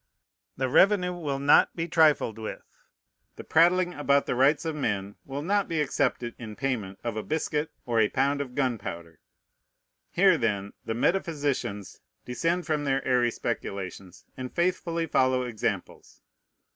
The revenue will not be trifled with. The prattling about the rights of men will not be accepted in payment of a biscuit or a pound of gunpowder. Here, then, the metaphysicians descend from their airy speculations, and faithfully follow examples.